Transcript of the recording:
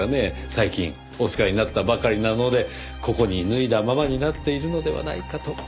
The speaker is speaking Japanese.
最近お使いになったばかりなのでここに脱いだままになっているのではないかと。